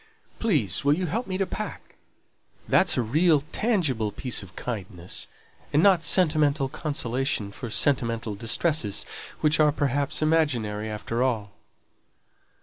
Please will you help me to pack? That's a real, tangible piece of kindness, and not sentimental consolation for sentimental distresses, which are, perhaps, imaginary after all."